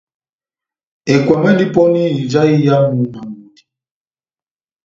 Ekwɛmi endi pɔni ija iyamu na ngudi